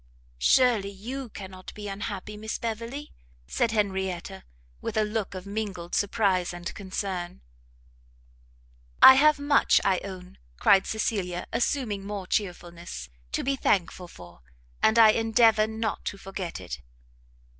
"Surely, you cannot be unhappy, Miss Beverley!" said Henrietta, with a look of mingled surprise and concern. "I have much, I own," cried Cecilia, assuming more chearfulness, "to be thankful for, and I endeavour not to forget it."